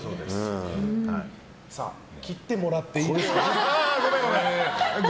切ってもらっていいですか。